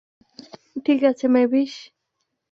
ঠিক আছে, মেভিস!